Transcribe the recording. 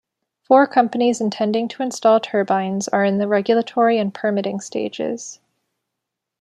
Four companies intending to install turbines are in the regulatory and permitting stages.